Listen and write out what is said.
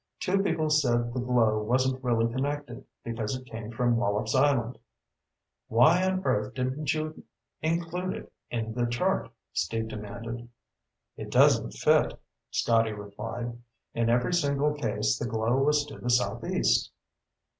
Two people said the glow wasn't really connected, because it came from Wallops Island." "Why on earth didn't you include it in the chart?" Steve demanded. "It doesn't fit," Scotty replied. "In every single case, the glow was to the southeast."